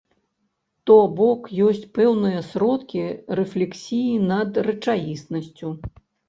То бок ёсць пэўныя сродкі рэфлексіі над рэчаіснасцю.